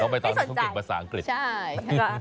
น้องใบตองมีภาษาอังกฤษไม่สนใจ